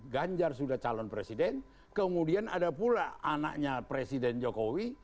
ganjar sudah calon presiden kemudian ada pula anaknya presiden jokowi